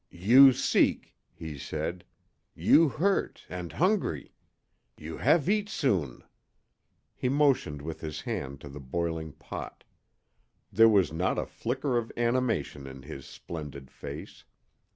"You seek," he said, "you hurt and hungry! You have eat soon." He motioned with his hand to the boiling pot. There was not a flicker of animation in his splendid face.